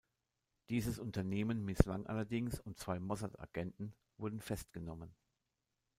Dieses Unternehmen misslang allerdings, und zwei Mossad-Agenten wurden festgenommen.